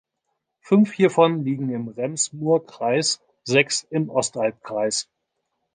Fünf hiervon liegen im Rems-Murr-Kreis, sechs im Ostalbkreis.